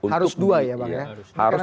harus dua ya bang ya